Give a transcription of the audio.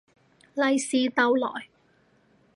利是逗來